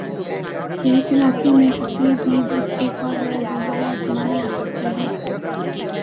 کہ اس علاقی میں کسی بھی وقت ایک اوربڑا زلزلہ یاسونامی آسکتا ہی۔